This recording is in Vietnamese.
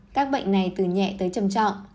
các bệnh này từ nhẹ tới trầm trọng